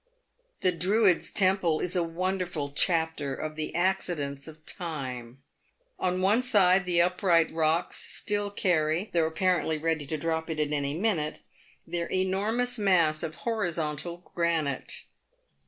The Druids' temple is a wonderful chapter of the accidents of time. On one side the upright rocks still carry, though apparently ready to drop it at any minute, their enormous mass of horizontal granite.